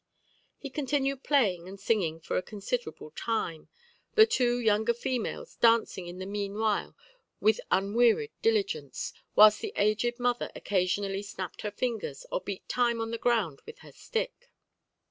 '" He continued playing and singing for a considerable time, the two younger females dancing in the meanwhile with unwearied diligence, whilst the aged mother occasionally snapped her fingers or beat time on the ground with her stick.